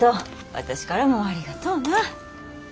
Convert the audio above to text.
私からもありがとうな。